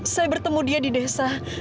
saya bertemu dia di desa